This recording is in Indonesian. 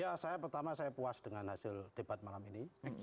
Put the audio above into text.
ya saya pertama saya puas dengan hasil debat malam ini